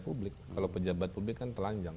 publik kalau pejabat publik kan telanjang